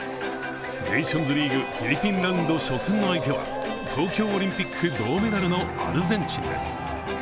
ネーションズリーグ、フィリピンラウンド初戦の相手は東京オリンピック銅メダルのアルゼンチンです。